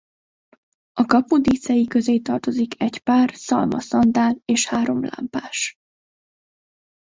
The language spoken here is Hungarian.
A kapu díszei közé tartozik egy pár szalma szandál és három lámpás.